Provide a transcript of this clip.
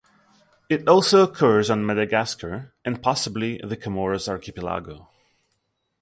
It also occurs on Madagascar and possibly the Comoros archipelago.